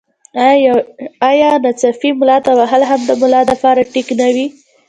او يا ناڅاپي ملا تاوهل هم د ملا د پاره ټيک نۀ وي